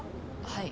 はい。